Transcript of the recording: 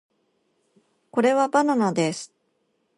これはバナナです